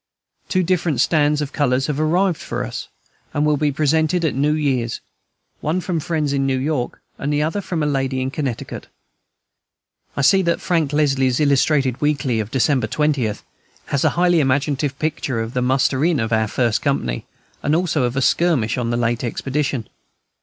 Two different stands of colors have arrived for us, and will be presented at New Year's, one from friends in New York, and the other from a lady in Connecticut. I see that "Frank Leslie's Illustrated Weekly" of December 20th has a highly imaginative picture of the muster in of our first company, and also of a skirmish on the late expedition.